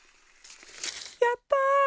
やった！